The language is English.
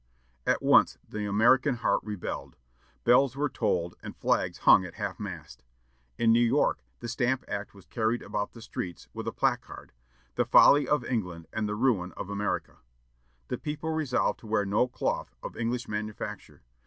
At once, the American heart rebelled. Bells were tolled, and flags hung at half mast. In New York, the Stamp Act was carried about the streets, with a placard, "The folly of England and the ruin of America." The people resolved to wear no cloth of English manufacture.